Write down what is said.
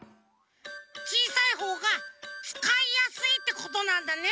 ちいさいほうがつかいやすいってことなんだね。